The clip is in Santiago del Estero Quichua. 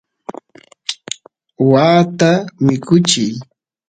waata mikuchiy